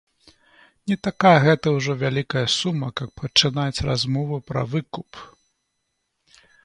Не такая гэта ўжо вялікая сума, каб пачынаць размову пра выкуп.